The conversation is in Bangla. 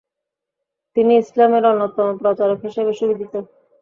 তিনি ইসলামের অন্যতম প্রচারক হিসাবে সুবিদিত।